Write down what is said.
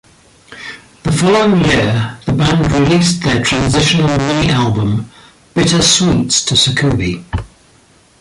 The following year, the band released their transitional mini-album "Bitter Suites to Succubi".